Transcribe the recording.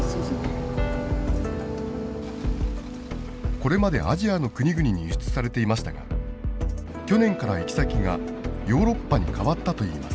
これまでアジアの国々に輸出されていましたが去年から行き先がヨーロッパに変わったといいます。